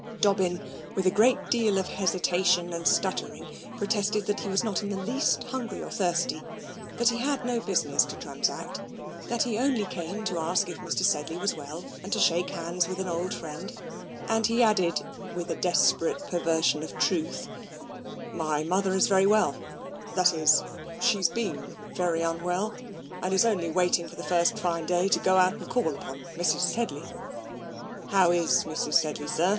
Dobbin, with a great deal of hesitation and stuttering, protested that he was not in the least hungry or thirsty; that he had no business to transact; that he only came to ask if Mr. Sedley was well, and to shake hands with an old friend; and, he added, with a desperate perversion of truth, "My mother is very well that is, she's been very unwell, and is only waiting for the first fine day to go out and call upon Mrs. Sedley. How is Mrs. Sedley, sir?